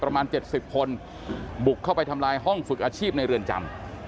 ประมาณ๗๐คนบุกเข้าไปทำลายห้องฝึกอาชีพในเรือนจำ